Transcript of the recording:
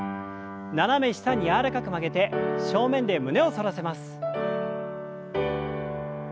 斜め下に柔らかく曲げて正面で胸を反らせます。